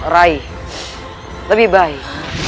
rai lebih baik